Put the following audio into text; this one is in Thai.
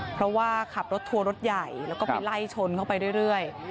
เพราะว่าขับรถทัวร์รถใหญ่แล้วก็ไปไล่ชนเข้าไปเรื่อย